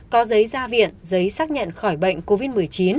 có giấy ra viện giấy xác nhận khỏi bệnh covid một mươi chín